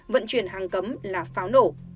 vận chuyển hàng cấm là pháo nổ